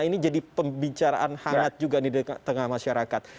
ini jadi pembicaraan hangat juga di tengah masyarakat